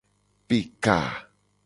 Pe ka.